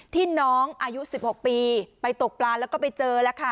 ที่น้องอายุ๑๖ปีไปตกปลาแล้วก็ไปเจอแล้วค่ะ